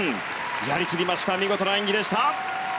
やり切りました見事な演技でした。